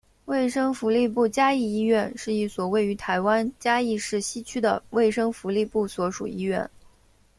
卫生福利部嘉义医院是一所位于台湾嘉义市西区的卫生福利部所属医院。